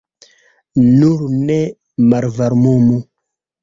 Nur ne malvarmumu.